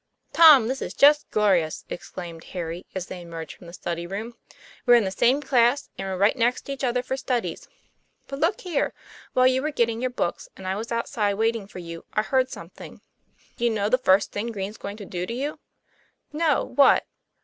"Tom, this is just glorious!" exclaimed Harry, as they emerged from the study room. 'We're in the same class; and we're right next each other for studies. But look here! while you were getting your books, and I was outside waiting for you, I heard something. Do you know the first thing Green's going to do to you?" "No; what?"